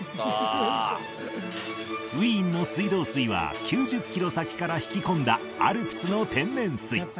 ウィーンの水道水は９０キロ先から引き込んだアルプスの天然水